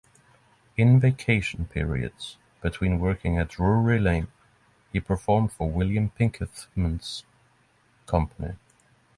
In "vacation periods" between working at Drury Lane, he performed for William Pinkethman's company.